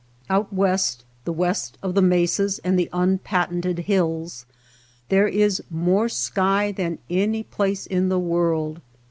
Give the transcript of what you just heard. Out West, the west of the mesas and the unpatented hills, there is more sky than any place in the world.